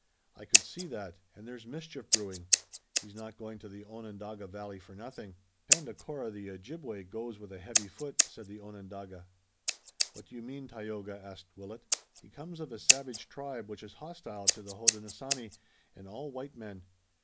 I could see that, and there's mischief brewing. He's not going to the Onondaga Valley for nothing." "Tandakora, the Ojibway, goes with a heavy foot," said the Onondaga. "What do you mean, Tayoga?" asked Willet. "He comes of a savage tribe, which is hostile to the Hodenosaunee and all white men.